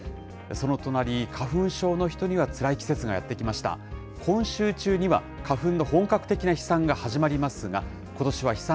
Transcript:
その隣、花粉症の人にはつらい季節がやって来ました。